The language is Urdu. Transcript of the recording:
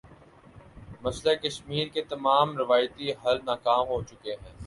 مسئلہ کشمیر کے تمام روایتی حل ناکام ہو چکے ہیں۔